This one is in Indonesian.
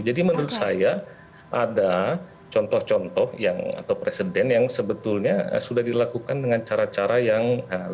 jadi menurut saya ada contoh contoh yang atau presiden yang sebetulnya sudah dilakukan dengan cara cara yang lebih tanda kutip ya